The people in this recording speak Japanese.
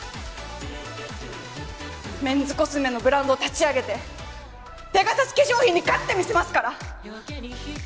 メンズコスメのブランドを立ち上げてペガサス化粧品に勝ってみせますから。